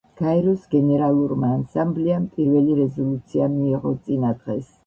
გაეროს გენერალურმა ასამბლეამ პირველი რეზოლუცია მიიღო წინა დღეს.